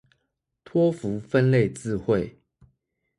托福分類字彙